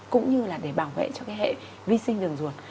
cũng như là để bảo vệ cho cái hệ vi sinh đường ruột